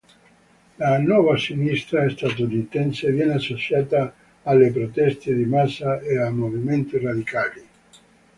La "nuova sinistra" statunitense viene associata alle proteste di massa e ai movimenti radicali.